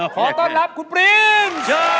ขอต้อนรับคุณปริ้น